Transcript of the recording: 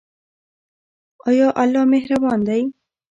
آیا الله مهربان دی؟